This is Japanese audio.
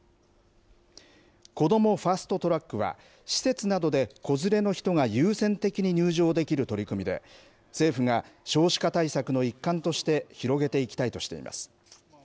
こどもファスト・トラックは、施設などで子連れの人が優先的に入場できる取り組みで、政府が少子化対策の一環として広げていきたいとしています。